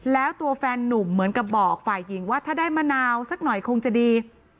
แล้วตัวแฟนนุ่มเหมือนกับบอกฝ่ายหญิงว่าถ้าได้มะนาวสักหน่อยคงจะดี